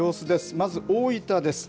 まず大分です。